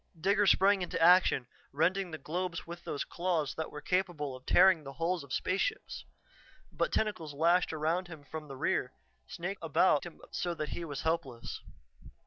Digger sprang into action, rending the globes with those claws that were capable of tearing the hulls of spaceships. But tentacles lashed around him from the rear, snaked about him so that he was helpless.